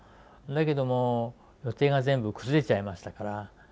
だけども予定が全部崩れちゃいましたから。